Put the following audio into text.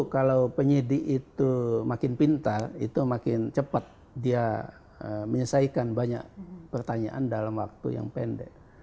kalau penyidik itu makin pintar itu makin cepat dia menyelesaikan banyak pertanyaan dalam waktu yang pendek